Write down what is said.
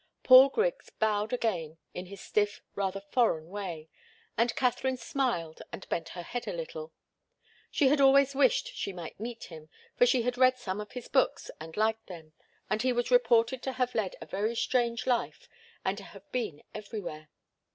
Paul Griggs bowed again in his stiff, rather foreign way, and Katharine smiled and bent her head a little. She had always wished she might meet him, for she had read some of his books and liked them, and he was reported to have led a very strange life, and to have been everywhere.